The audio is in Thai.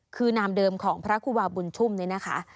คือนามเดิมของพระครูบาบุญชุ่มนี่นะคะ